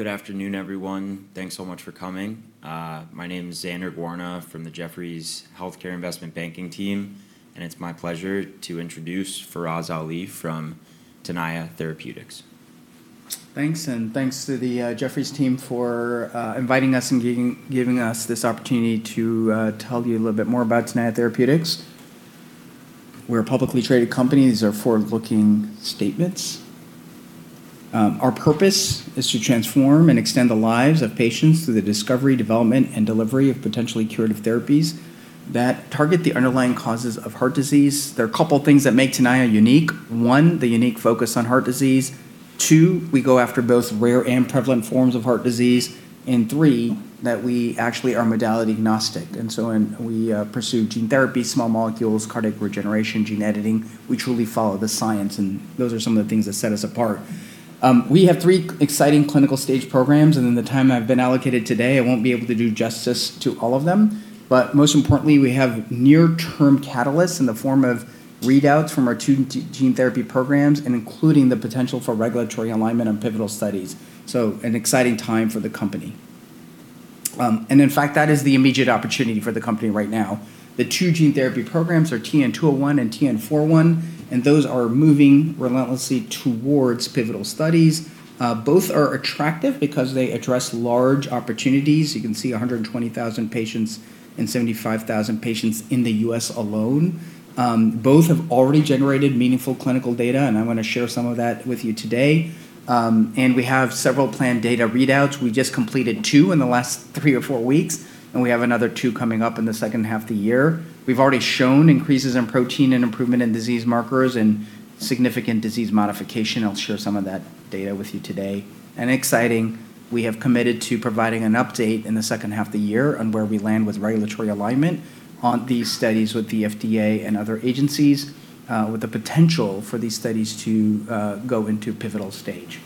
Good afternoon, everyone. Thanks so much for coming. My name's Xander Guarna from the Jefferies Healthcare Investment Banking team. It's my pleasure to introduce Faraz Ali from Tenaya Therapeutics. Thanks, thanks to the Jefferies team for inviting us and giving us this opportunity to tell you a little bit more about Tenaya Therapeutics. We're a publicly traded company. These are forward-looking statements. Our purpose is to transform and extend the lives of patients through the discovery, development, and delivery of potentially curative therapies that target the underlying causes of heart disease. There are a couple of things that make Tenaya unique. One, the unique focus on heart disease. Two, we go after both rare and prevalent forms of heart disease. Three, that we actually are modality agnostic, we pursue gene therapy, small molecules, cardiac regeneration, gene editing. We truly follow the science. Those are some of the things that set us apart. We have three exciting clinical stage programs, and in the time I've been allocated today, I won't be able to do justice to all of them. Most importantly, we have near-term catalysts in the form of readouts from our two gene therapy programs, and including the potential for regulatory alignment and pivotal studies. An exciting time for the company. In fact, that is the immediate opportunity for the company right now. The two gene therapy programs are TN-201 and TN-401, and those are moving relentlessly towards pivotal studies. Both are attractive because they address large opportunities. You can see 120,000 patients and 75,000 patients in the U.S. alone. Both have already generated meaningful clinical data, and I want to share some of that with you today, and we have several planned data readouts. We just completed two in the last three or four weeks, and we have another two coming up in the second half of the year. We've already shown increases in protein and improvement in disease markers and significant disease modification. I'll share some of that data with you today. Exciting, we have committed to providing an update in the second half of the year on where we land with regulatory alignment on these studies with the FDA and other agencies, with the potential for these studies to go into pivotal stage.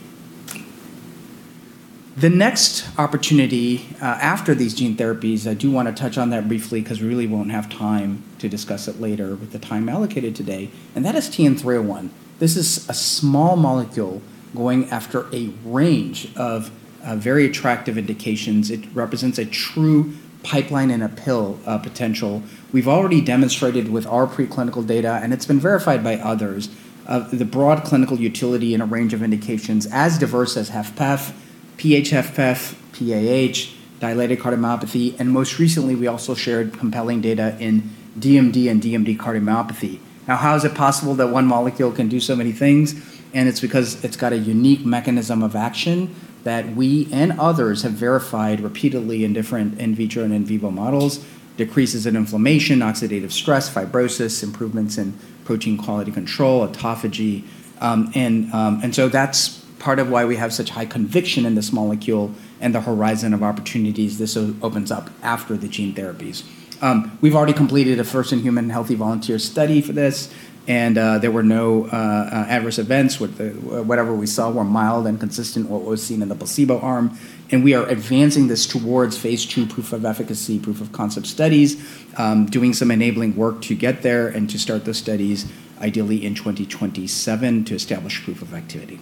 The next opportunity after these gene therapies, I do want to touch on that briefly because we really won't have time to discuss it later with the time allocated today, and that is TN-301. This is a small molecule going after a range of very attractive indications. It represents a true pipeline and a pill potential. We've already demonstrated with our preclinical data, and it's been verified by others, of the broad clinical utility in a range of indications as diverse as HFpEF, PH-HFpEF, PAH, dilated cardiomyopathy, and most recently, we also shared compelling data in DMD and DMD cardiomyopathy. How is it possible that one molecule can do so many things? It's because it's got a unique mechanism of action that we and others have verified repeatedly in different in vitro and in vivo models, decreases in inflammation, oxidative stress, fibrosis, improvements in protein quality control, autophagy. That's part of why we have such high conviction in this molecule and the horizon of opportunities this opens up after the gene therapies. We've already completed a first-in-human healthy volunteer study for this, and there were no adverse events. Whatever we saw were mild and consistent with what was seen in the placebo arm. We are advancing this towards phase II proof of efficacy, proof of concept studies, doing some enabling work to get there and to start those studies ideally in 2027 to establish proof of activity.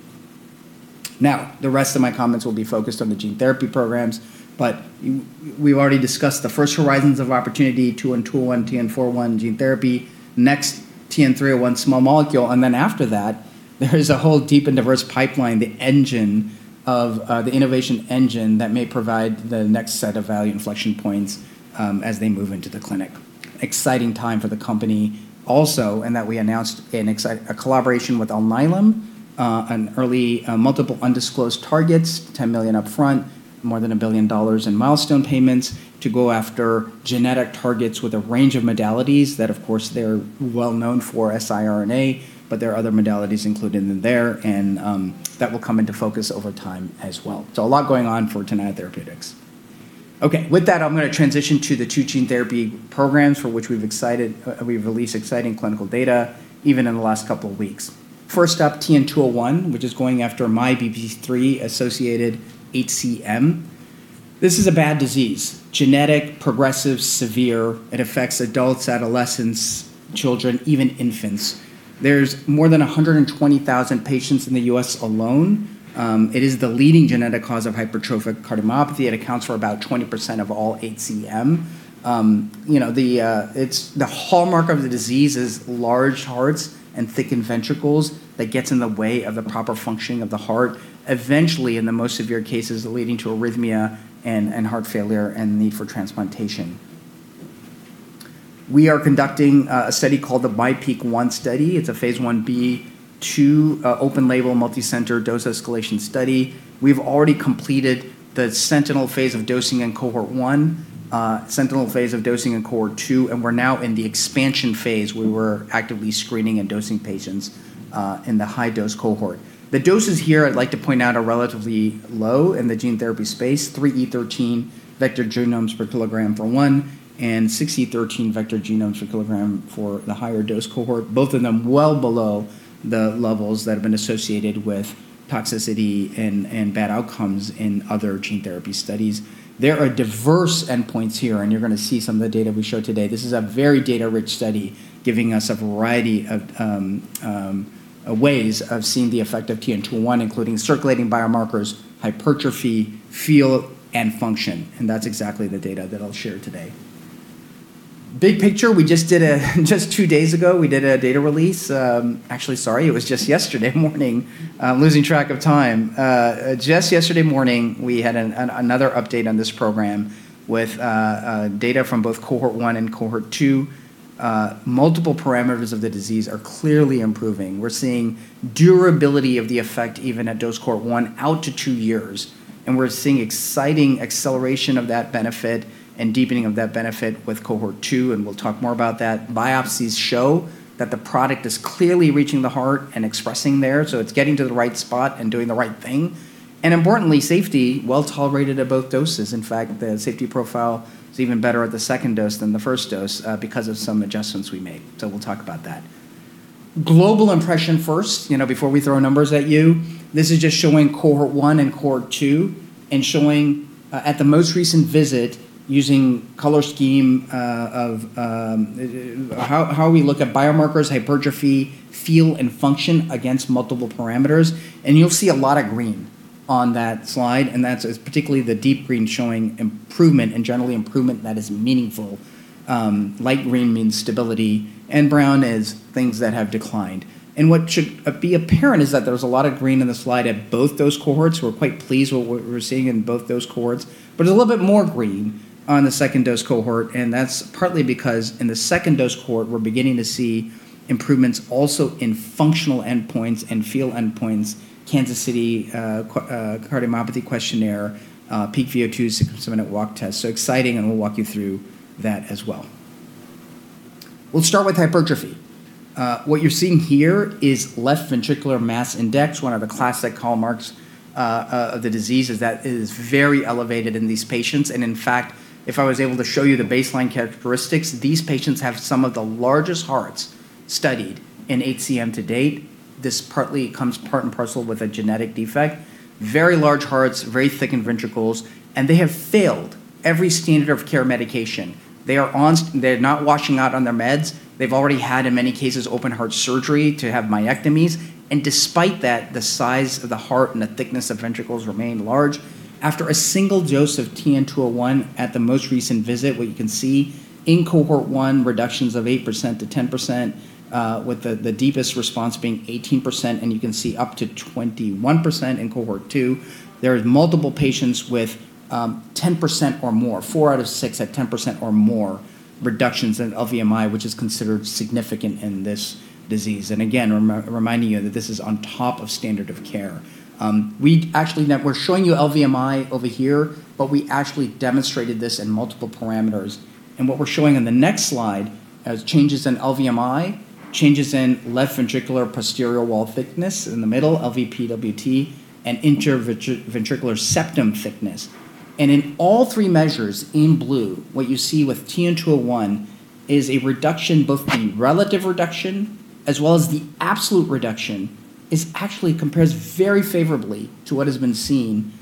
The rest of my comments will be focused on the gene therapy programs. We've already discussed the first horizons of opportunity, TN-201, TN-401 gene therapy. TN-301 small molecule. Then after that, there is a whole deep and diverse pipeline, the innovation engine that may provide the next set of value inflection points as they move into the clinic. Exciting time for the company also in that we announced a collaboration with Alnylam on early multiple undisclosed targets, $10 million up front, more than $1 billion in milestone payments to go after genetic targets with a range of modalities. Of course, they're well known for siRNA, but there are other modalities included in there, and that will come into focus over time as well. A lot going on for Tenaya Therapeutics. Okay. With that, I'm going to transition to the two gene therapy programs for which we've released exciting clinical data even in the last couple of weeks. First up, TN-201, which is going after MYBPC3-associated HCM. This is a bad disease, genetic, progressive, severe. It affects adults, adolescents, children, even infants. There's more than 120,000 patients in the U.S. alone. It is the leading genetic cause of hypertrophic cardiomyopathy, and accounts for about 20% of all HCM. The hallmark of the disease is large hearts and thickened ventricles that gets in the way of the proper functioning of the heart, eventually, in the most severe cases, leading to arrhythmia and heart failure and the need for transplantation. We are conducting a study called the MyPEAK-1 study. It's a phase I-B/II open-label, multicenter dose escalation study. We've already completed the sentinel phase of dosing in cohort 1 sentinel phase of dosing in cohort 2, and we're now in the expansion phase, where we're actively screening and dosing patients in the high dose cohort. The doses here, I'd like to point out, are relatively low in the gene therapy space, 3e13 vector genomes per kg for one, and 6e13 vector genomes per kg for the higher dose cohort, both of them well below the levels that have been associated with toxicity and bad outcomes in other gene therapy studies. There are diverse endpoints here, and you're going to see some of the data we show today. This is a very data-rich study giving us a variety of ways of seeing the effect of TN-201, including circulating biomarkers, hypertrophy, feel, and function, and that's exactly the data that I'll share today. Big picture, just two days ago, we did a data release. Actually, sorry, it was just yesterday morning. Losing track of time. Just yesterday morning, we had another update on this program with data from both cohort 1 and cohort 2. Multiple parameters of the disease are clearly improving. We're seeing durability of the effect even at dose cohort 1 out to two years. We're seeing exciting acceleration of that benefit and deepening of that benefit with cohort 2. We'll talk more about that. Biopsies show that the product is clearly reaching the heart and expressing there. It's getting to the right spot and doing the right thing. Importantly, safety, well-tolerated at both doses. In fact, the safety profile is even better at the second dose than the first dose because of some adjustments we made. We'll talk about that. Global impression first, before we throw numbers at you. This is just showing cohort 1 and cohort 2, showing at the most recent visit using color scheme of how we look at biomarkers, hypertrophy, feel, and function against multiple parameters. You'll see a lot of green on that slide and that's particularly the deep green showing improvement and generally improvement that is meaningful. Light green means stability, and brown is things that have declined. What should be apparent is that there's a lot of green in the slide at both those cohorts. We're quite pleased with what we're seeing in both those cohorts, but a little bit more green on the second dose cohort, and that's partly because in the second dose cohort, we're beginning to see improvements also in functional endpoints and feel endpoints, Kansas City Cardiomyopathy Questionnaire, peak VO2s, six-minute walk test. Exciting, and we'll walk you through that as well. We'll start with hypertrophy. What you're seeing here is left ventricular mass index, one of the classic hallmarks of the disease is that it is very elevated in these patients. In fact, if I was able to show you the baseline characteristics, these patients have some of the largest hearts studied in HCM to date. This partly comes part and parcel with a genetic defect. Very large hearts, very thickened ventricles, and they have failed every standard of care medication. They're not washing out on their meds. They've already had, in many cases, open heart surgery to have myectomies. Despite that, the size of the heart and the thickness of ventricles remain large. After a single dose of TN-201 at the most recent visit, what you can see in cohort 1, reductions of 8%-10% with the deepest response being 18%, and you can see up to 21% in cohort 2. There are multiple patients with 10% or more, four out of six at 10% or more reductions in LVMI, which is considered significant in this disease. Again, reminding you that this is on top of standard of care. We're showing you LVMI over here, we actually demonstrated this in multiple parameters. What we're showing in the next slide as changes in LVMI, changes in left ventricular posterior wall thickness in the middle, LVPWT, and interventricular septum thickness. In all three measures in blue, what you see with TN-201 is a reduction, both the relative reduction as well as the absolute reduction, this actually compares very favorably to what has been seen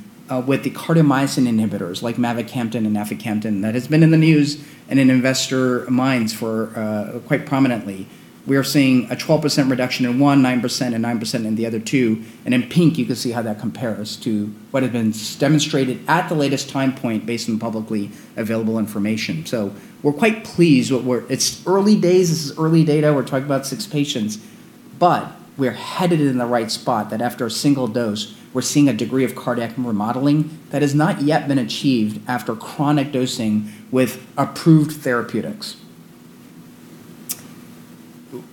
with the cardiac myosin inhibitors like mavacamten and aficamten that has been in the news and in investor minds quite prominently. We are seeing a 12% reduction in one, 9% and 9% in the other two. In pink, you can see how that compares to what has been demonstrated at the latest time point based on publicly available information. We're quite pleased. It's early days. This is early data. We're talking about six patients, but we're headed in the right spot that after a single dose, we're seeing a degree of cardiac remodeling that has not yet been achieved after chronic dosing with approved therapeutics.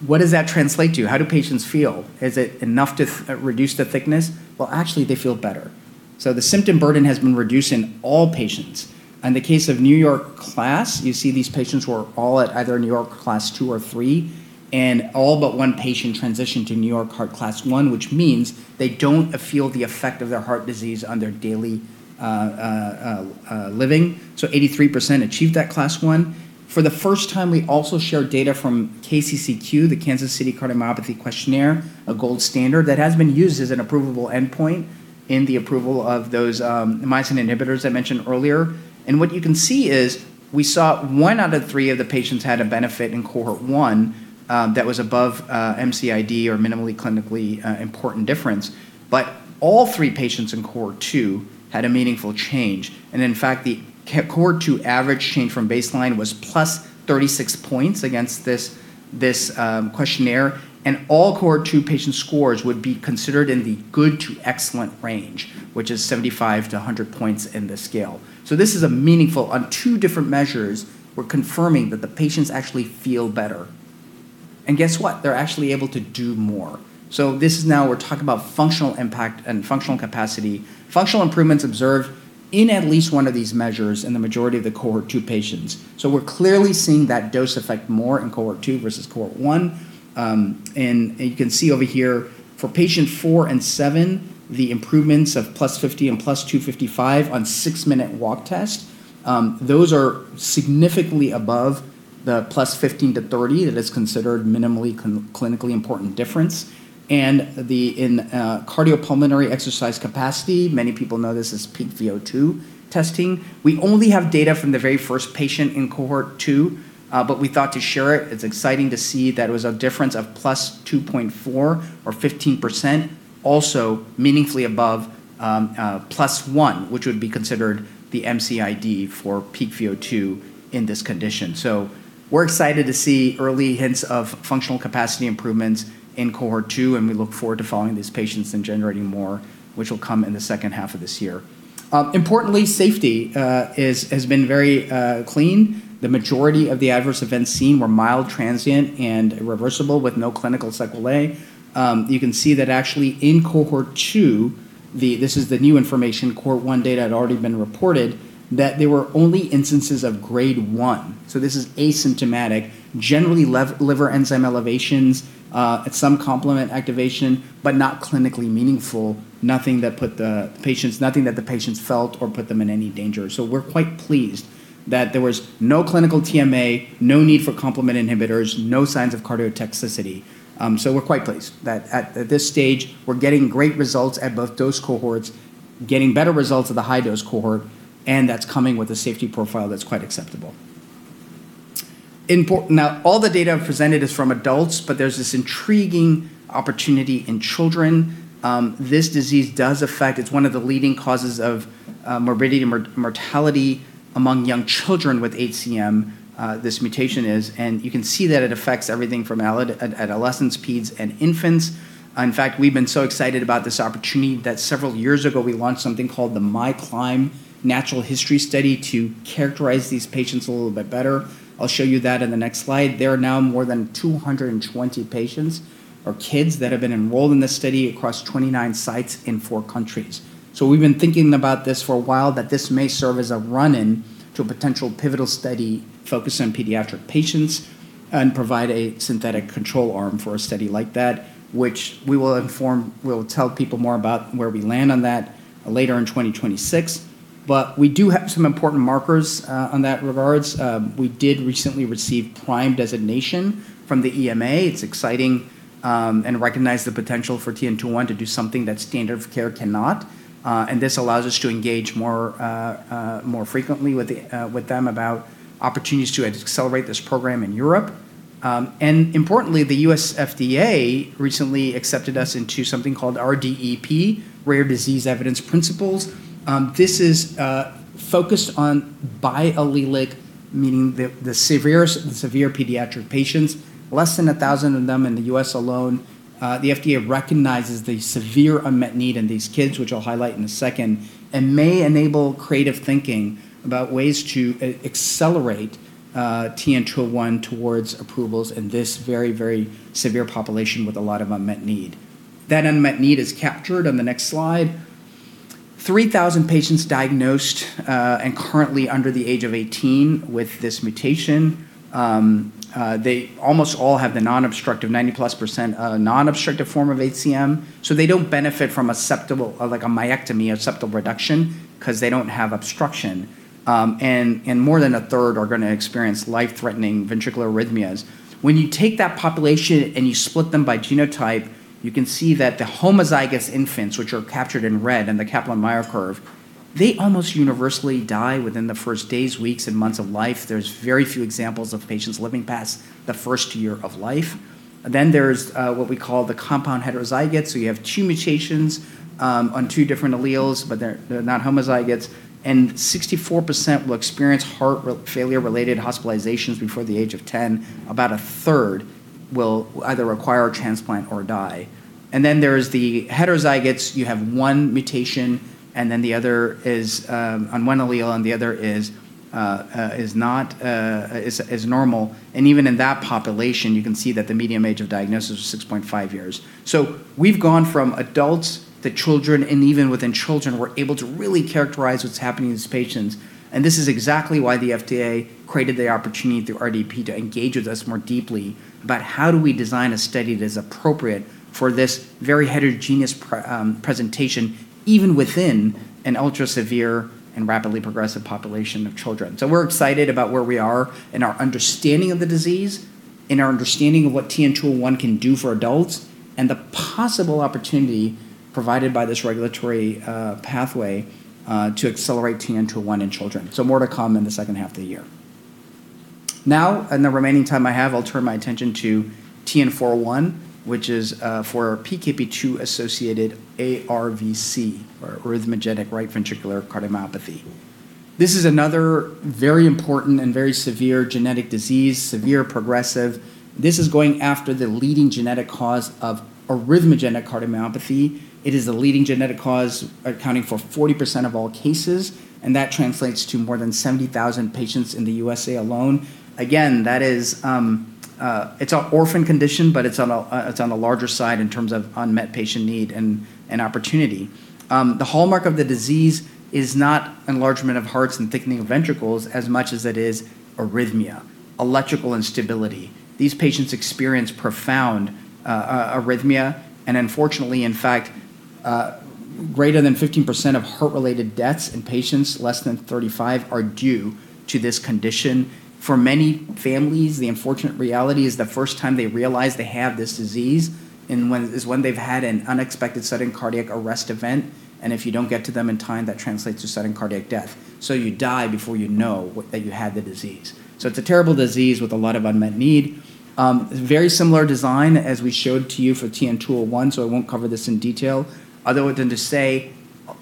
What does that translate to? How do patients feel? Is it enough to reduce the thickness? Well, actually, they feel better. The symptom burden has been reduced in all patients. In the case of NYHA Class, you see these patients were all at either NYHA Class 2 or 3, and all but one patient transitioned to NYHA Class 1, which means they don't feel the effect of their heart disease on their daily living. 83% achieved that Class 1. For the first time, we also share data from KCCQ, the Kansas City Cardiomyopathy Questionnaire, a gold standard that has been used as an approvable endpoint in the approval of those myosin inhibitors I mentioned earlier. What you can see is we saw one out of three of the patients had a benefit in cohort 1 that was above MCID or minimally clinically important difference. All three patients in cohort 2 had a meaningful change. In fact, the cohort 2 average change from baseline was +36 points against this questionnaire, and all cohort 2 patient scores would be considered in the good to excellent range, which is 75 to 100 points in the scale. This is meaningful. On two different measures, we're confirming that the patients actually feel better. Guess what? They're actually able to do more. This is now we're talking about functional impact and functional capacity. Functional improvements observed in at least one of these measures in the majority of the cohort 2 patients. We're clearly seeing that dose effect more in cohort 2 versus cohort 1. You can see over here for patient four and seven, the improvements of +50 and +255 on six-minute walk test. Those are significantly above the +15-+30 that is considered minimally clinically important difference. In cardiopulmonary exercise capacity, many people know this as peak VO2 testing. We only have data from the very first patient in cohort 2, but we thought to share it. It's exciting to see that it was a difference of +2.4 or 15%, also meaningfully above +1, which would be considered the MCID for peak VO2 in this condition. We're excited to see early hints of functional capacity improvements in cohort 2, and we look forward to following these patients and generating more, which will come in the second half of this year. Importantly, safety has been very clean. The majority of the adverse events seen were mild, transient, and reversible with no clinical sequelae. You can see that actually in cohort 2, this is the new information, cohort 1 data had already been reported, that there were only instances of grade 1. This is asymptomatic. Generally, liver enzyme elevations at some complement activation, but not clinically meaningful. Nothing that the patients felt or put them in any danger. We're quite pleased that there was no clinical TMA, no need for complement inhibitors, no signs of cardiotoxicity. We're quite pleased that at this stage, we're getting great results at both dose cohorts, getting better results at the high-dose cohort, and that's coming with a safety profile that's quite acceptable. All the data presented is from adults, but there's this intriguing opportunity in children. It's one of the leading causes of morbidity and mortality among young children with HCM, this mutation is, and you can see that it affects everything from adolescents, peds, and infants. In fact, we've been so excited about this opportunity that several years ago, we launched something called the MyClimb Natural History Study to characterize these patients a little bit better. I'll show you that in the next slide. There are now more than 220 patients or kids that have been enrolled in this study across 29 sites in four countries. We've been thinking about this for a while, that this may serve as a run-in to a potential pivotal study focused on pediatric patients and provide a synthetic control arm for a study like that, which we'll tell people more about where we land on that later in 2026. We do have some important markers on that regards. We did recently receive PRIME designation from the EMA. It's exciting and recognize the potential for TN-201 to do something that standard of care cannot. This allows us to engage more frequently with them about opportunities to accelerate this program in Europe. Importantly, the U.S. FDA recently accepted us into something called RDEP, Rare Disease Evidence Principles. This is focused on biallelic, meaning the severe pediatric patients, less than 1,000 of them in the U.S. alone. The FDA recognizes the severe unmet need in these kids, which I'll highlight in a second, and may enable creative thinking about ways to accelerate TN-201 towards approvals in this very, very severe population with a lot of unmet need. That unmet need is captured on the next slide. 3,000 patients diagnosed and currently under the age of 18 with this mutation. They almost all have the non-obstructive, 90+ % non-obstructive form of HCM. They don't benefit from a myectomy or septal reduction because they don't have obstruction. More than a third are going to experience life-threatening ventricular arrhythmias. When you take that population and you split them by genotype, you can see that the homozygous infants, which are captured in red in the Kaplan-Meier curve, they almost universally die within the first days, weeks, and months of life. There's very few examples of patients living past the first year of life. There's what we call the compound heterozygote. You have two mutations on two different alleles, but they're not homozygotes, and 64% will experience heart failure-related hospitalizations before the age of 10. About a third will either require a transplant or die. There's the heterozygotes. You have one mutation, and then the other is on one allele, and the other is normal. Even in that population, you can see that the median age of diagnosis was 6.5 years. We've gone from adults to children, and even within children, we're able to really characterize what's happening to these patients. This is exactly why the FDA created the opportunity through RDEP to engage with us more deeply about how do we design a study that is appropriate for this very heterogeneous presentation, even within an ultra-severe and rapidly progressive population of children. We're excited about where we are in our understanding of the disease, in our understanding of what TN-201 can do for adults, and the possible opportunity provided by this regulatory pathway to accelerate TN-201 in children. More to come in the second half of the year. In the remaining time I have, I'll turn my attention to TN-401, which is for PKP2-associated ARVC or arrhythmogenic right ventricular cardiomyopathy. This is another very important and very severe genetic disease, severe progressive. This is going after the leading genetic cause of arrhythmogenic cardiomyopathy. It is the leading genetic cause accounting for 40% of all cases, and that translates to more than 70,000 patients in the U.S.A. alone. Again, it's an orphan condition, but it's on a larger side in terms of unmet patient need and opportunity. The hallmark of the disease is not enlargement of hearts and thickening of ventricles as much as it is arrhythmia, electrical instability. These patients experience profound arrhythmia, and unfortunately, in fact, greater than 15% of heart-related deaths in patients less than 35 are due to this condition. For many families, the unfortunate reality is the first time they realize they have this disease is when they've had an unexpected sudden cardiac arrest event, and if you don't get to them in time, that translates to sudden cardiac death. You die before you know that you had the disease. It's a terrible disease with a lot of unmet need. Very similar design as we showed to you for TN-201, so I won't cover this in detail other than to say.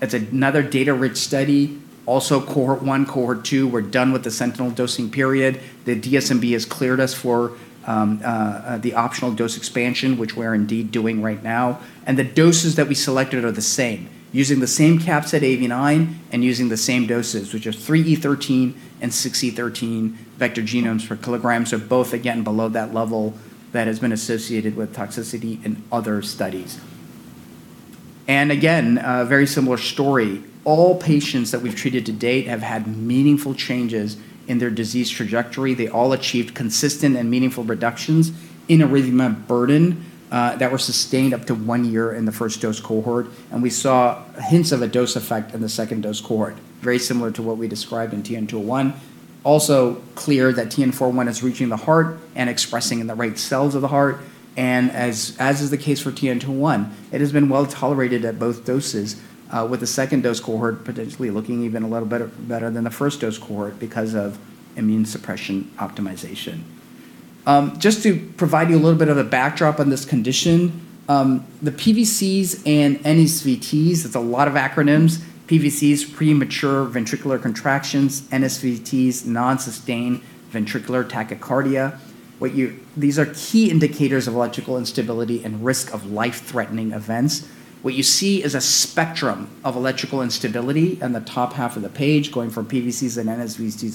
It's another data-rich study. Cohort 1, cohort 2, we're done with the sentinel dosing period. The DSMB has cleared us for the optional dose expansion, which we're indeed doing right now. The doses that we selected are the same, using the same capsid AAV9 and using the same doses, which are 3E13 and 6E13 vector genomes per kilogram. Both, again, below that level that has been associated with toxicity in other studies. Again, a very similar story. All patients that we've treated to date have had meaningful changes in their disease trajectory. They all achieved consistent and meaningful reductions in arrhythmia burden that were sustained up to one year in the first dose cohort. We saw hints of a dose effect in the second dose cohort, very similar to what we described in TN-201. Also clear that TN-401 is reaching the heart and expressing in the right cells of the heart. As is the case for TN-201, it has been well-tolerated at both doses, with the second dose cohort potentially looking even a little better than the first dose cohort because of immune suppression optimization. Just to provide you a little bit of a backdrop on this condition. The PVCs and NSVTs, that's a lot of acronyms. PVCs premature ventricular contractions. NSVTs non-sustained ventricular tachycardia. These are key indicators of electrical instability and risk of life-threatening events. What you see is a spectrum of electrical instability on the top half of the page, going from PVCs and NSVTs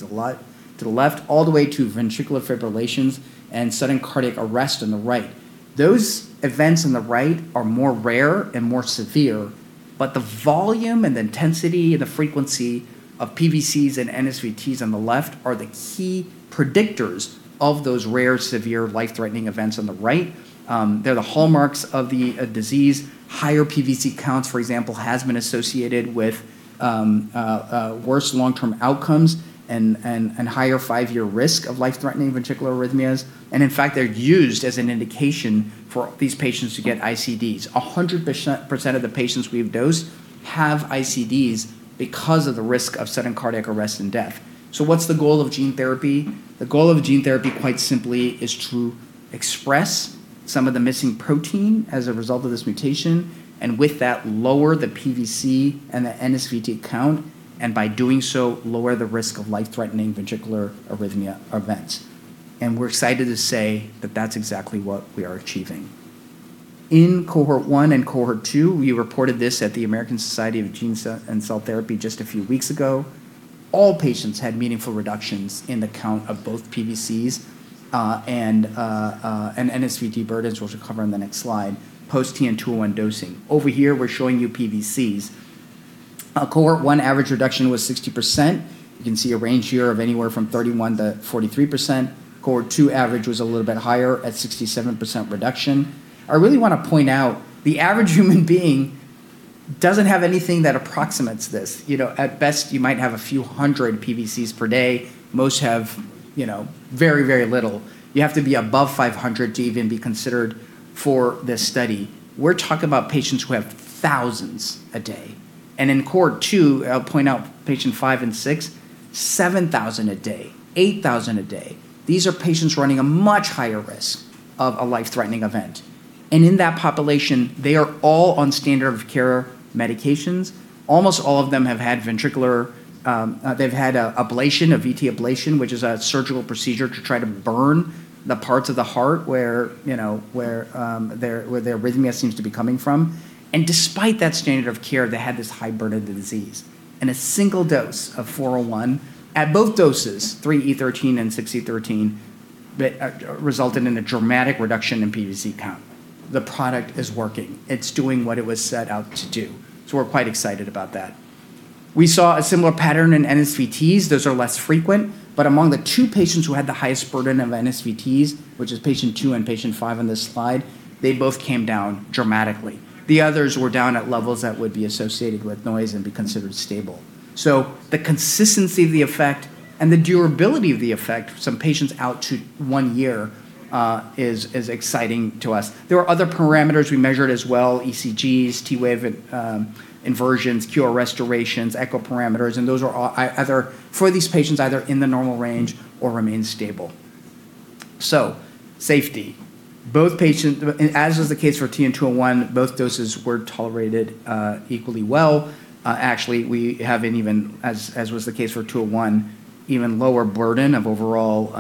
to the left, all the way to ventricular fibrillations and sudden cardiac arrest on the right. Those events on the right are more rare and more severe, the volume and the intensity and the frequency of PVCs and NSVTs on the left are the key predictors of those rare, severe, life-threatening events on the right. They're the hallmarks of the disease. Higher PVC counts, for example, has been associated with worse long-term outcomes and higher five-year risk of life-threatening ventricular arrhythmias. In fact, they're used as an indication for these patients to get ICDs. 100% of the patients we've dosed have ICDs because of the risk of sudden cardiac arrest and death. What's the goal of gene therapy? The goal of gene therapy, quite simply, is to express some of the missing protein as a result of this mutation, and with that, lower the PVC and the NSVT count, and by doing so, lower the risk of life-threatening ventricular arrhythmia events. We're excited to say that that's exactly what we are achieving. In cohort one and cohort two, we reported this at the American Society of Gene & Cell Therapy just a few weeks ago. All patients had meaningful reductions in the count of both PVCs and NSVT burdens, which we'll cover in the next slide, post TN-201 dosing. Over here, we're showing you PVCs. Cohort one average reduction was 60%. You can see a range here of anywhere from 31%-43%. Cohort two average was a little bit higher at 67% reduction. I really want to point out the average human being doesn't have anything that approximates this. At best, you might have a few hundred PVCs per day. Most have very, very little. You have to be above 500 to even be considered for this study. We're talking about patients who have thousands a day. In cohort 2, I'll point out patient five and six, 7,000 a day, 8,000 a day. These are patients running a much higher risk of a life-threatening event. In that population, they are all on standard of care medications. Almost all of them have had a VT ablation, which is a surgical procedure to try to burn the parts of the heart where the arrhythmia seems to be coming from. Despite that standard of care, they had this high burden of disease. A single dose of TN-401 at both doses, 3e13 and 6e13, resulted in a dramatic reduction in PVC count. The product is working. It's doing what it was set out to do. We're quite excited about that. We saw a similar pattern in NSVT's. Those are less frequent. Among the two patients who had the highest burden of NSVT's, which is patient 2 and patient 5 on this slide, they both came down dramatically. The others were down at levels that would be associated with noise and be considered stable. The consistency of the effect and the durability of the effect for some patients out to one year is exciting to us. There are other parameters we measured as well, ECGs, T wave inversions, QRS restorations, echo parameters, and those are all either for these patients either in the normal range or remain stable. Safety. As was the case for TN-201, both doses were tolerated equally well. Actually, we have an even, as was the case for 201, even lower burden of overall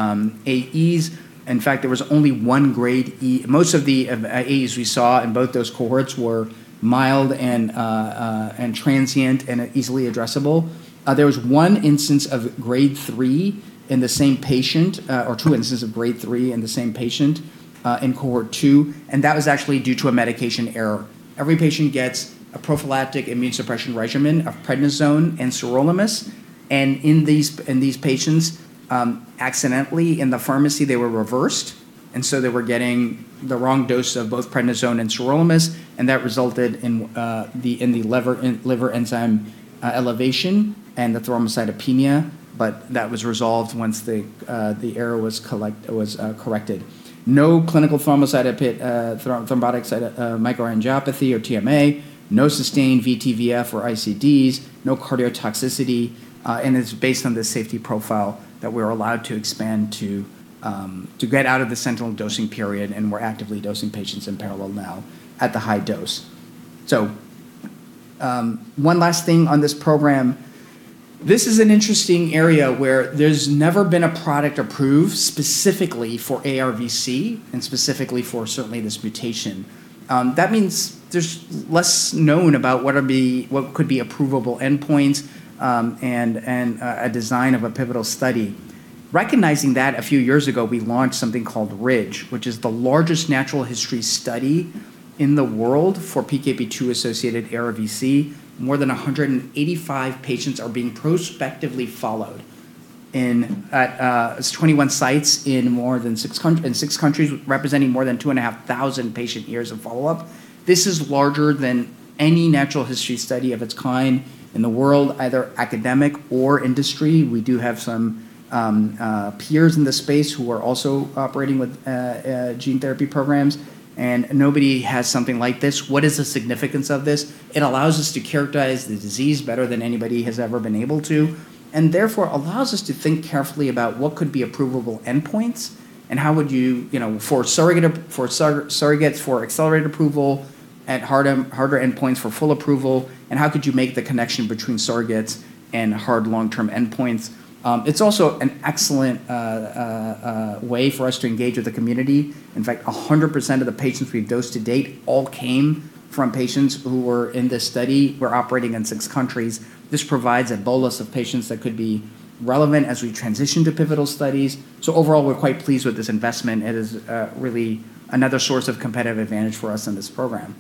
AEs. In fact, there was only one grade 3. Most of the AEs we saw in both those cohorts were mild and transient and easily addressable. There was one instance of grade 3 in the same patient, or two instances of grade 3 in the same patient in cohort 2, and that was actually due to a medication error. Every patient gets a prophylactic immune suppression regimen of prednisone and sirolimus, and in these patients, accidentally in the pharmacy, they were reversed, and so they were getting the wrong dose of both prednisone and sirolimus, and that resulted in the liver enzyme elevation and the thrombocytopenia. That was resolved once the error was corrected. No clinical thrombotic microangiopathy or TMA, no sustained VT/VF or ICDs, no cardiotoxicity, and it's based on this safety profile that we're allowed to expand to get out of the sentinel dosing period, and we're actively dosing patients in parallel now at the high dose. One last thing on this program. This is an interesting area where there's never been a product approved specifically for ARVC and specifically for certainly this mutation. That means there's less known about what could be approvable endpoints, and a design of a pivotal study. Recognizing that, a few years ago, we launched something called RIDGE, which is the largest natural history study in the world for PKP2-associated ARVC. More than 185 patients are being prospectively followed at 21 sites in six countries, representing more than 2,500 patient-years of follow-up. This is larger than any natural history study of its kind in the world, either academic or industry. We do have some peers in this space who are also operating with gene therapy programs. Nobody has something like this. What is the significance of this? It allows us to characterize the disease better than anybody has ever been able to, and therefore allows us to think carefully about what could be approvable endpoints and for surrogates for accelerated approval and harder endpoints for full approval, and how could you make the connection between surrogates and hard long-term endpoints. It's also an excellent way for us to engage with the community. In fact, 100% of the patients we've dosed to date all came from patients who were in this study. We're operating in 6 countries. This provides a bolus of patients that could be relevant as we transition to pivotal studies. Overall, we're quite pleased with this investment. It is really another source of competitive advantage for us in this program.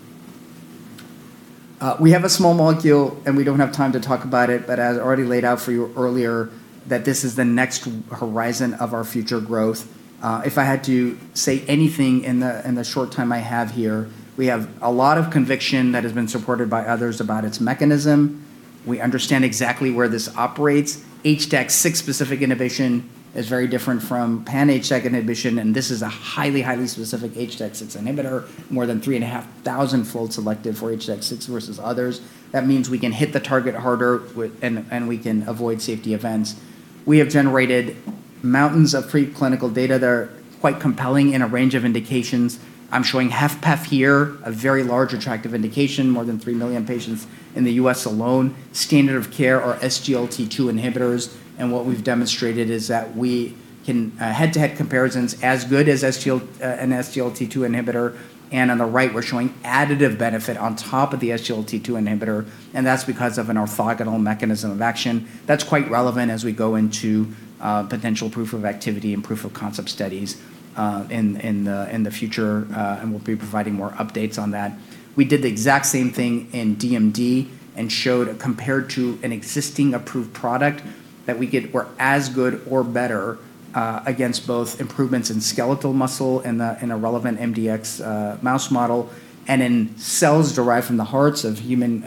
We have a small molecule, and we don't have time to talk about it, but as I already laid out for you earlier, that this is the next horizon of our future growth. If I had to say anything in the short time I have here, we have a lot of conviction that has been supported by others about its mechanism. We understand exactly where this operates. HDAC6 specific inhibition is very different from pan-HDAC inhibition, and this is a highly specific HDAC6 inhibitor, more than 3,500-fold selective for HDAC6 versus others. That means we can hit the target harder and we can avoid safety events. We have generated mountains of preclinical data that are quite compelling in a range of indications. I'm showing HFpEF here, a very large attractive indication, more than 3 million patients in the U.S. alone. Standard of care are SGLT2 inhibitors, and what we've demonstrated is that we can head-to-head comparisons as good as an SGLT2 inhibitor, and on the right we're showing additive benefit on top of the SGLT2 inhibitor, and that's because of an orthogonal mechanism of action. That's quite relevant as we go into potential proof of activity and proof of concept studies in the future, and we'll be providing more updates on that. We did the exact same thing in DMD and showed that compared to an existing approved product, that we were as good or better against both improvements in skeletal muscle in a relevant mdx mouse model and in cells derived from the hearts of human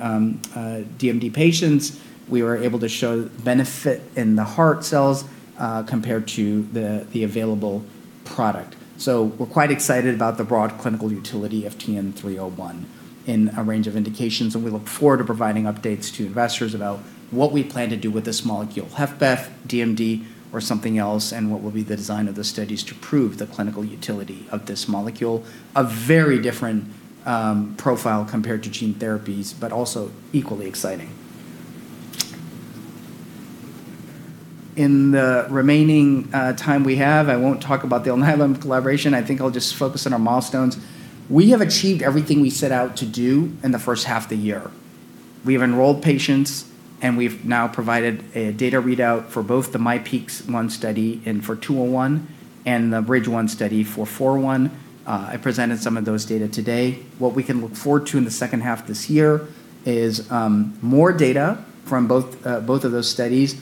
DMD patients. We were able to show benefit in the heart cells compared to the available product. We're quite excited about the broad clinical utility of TN-301 in a range of indications, and we look forward to providing updates to investors about what we plan to do with this molecule, HFpEF, DMD, or something else, and what will be the design of the studies to prove the clinical utility of this molecule. A very different profile compared to gene therapies, but also equally exciting. In the remaining time we have, I won't talk about the Anylam Laboratories. I think I'll just focus on our milestones. We have achieved everything we set out to do in the first half of the year. We have enrolled patients, and we've now provided a data readout for both the MyPEAK-1 study and for 201 and the RIDGE-1 study for 401. I presented some of those data today. What we can look forward to in the second half of this year is more data from both of those studies,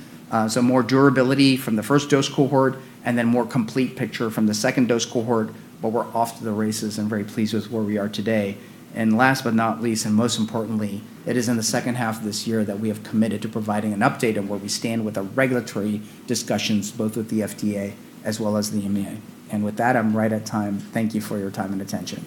so more durability from the first dose cohort and then more complete picture from the second dose cohort, but we're off to the races and very pleased with where we are today. Last but not least, and most importantly, it is in the second half of this year that we have committed to providing an update on where we stand with the regulatory discussions, both with the FDA as well as the EMA. With that, I'm right at time. Thank you for your time and attention